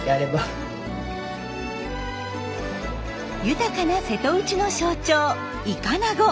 豊かな瀬戸内の象徴イカナゴ。